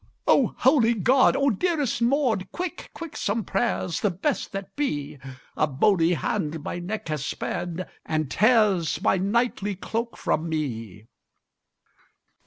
"O holy God! O dearest Maud, Quick, quick, some prayers, the best that be! A bony hand my neck has spanned, And tears my knightly cloak from me!"